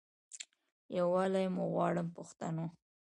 یووالی مو غواړم پښتنو.